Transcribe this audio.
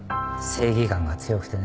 正義感が強くてね